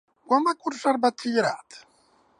Quan va cursar batxillerat?